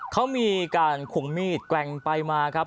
เขามีการขวงมีดแกว่งไปมาครับ